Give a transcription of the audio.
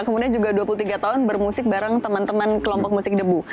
kemudian juga dua puluh tiga tahun bermusik bareng teman teman kelompok musik debu